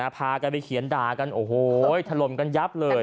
พากันไปเขียนด่ากันโอ้โหถล่มกันยับเลย